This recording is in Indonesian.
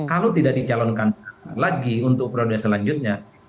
kalau tidak dicalonkan lagi untuk periode selanjutnya